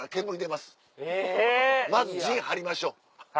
まず陣張りましょう。